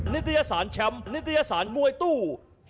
นิตยสารแชมป์นิตยสารมวยตู้